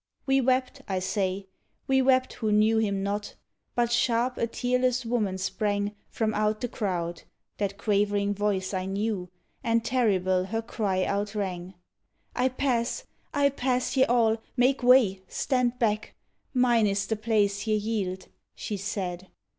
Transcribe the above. We wept, I say; we wept who knew him not; But sharp, a tearless woman sprang From out the crowd (that quavering voice I knew), And terrible her cry outrang: "I pass, I pass ye all! Make way! Stand back! Mine is the place ye yield," she said.